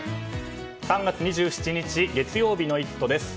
３月２７日月曜日の「イット！」です。